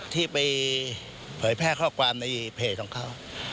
ที่ไปเผยแพร่ข้อความในเพจของเขา